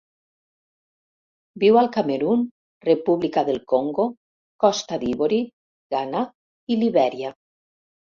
Viu al Camerun, República del Congo, Costa d'Ivori, Ghana i Libèria.